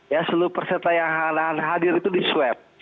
ya seluruh peserta yang hadir itu di swab